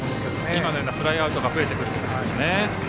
今のようなフライアウトが増えてくるということですね。